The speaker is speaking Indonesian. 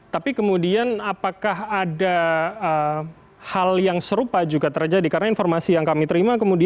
tapi kemudian apakah ada hal yang serupa juga terjadi karena informasi yang kami terima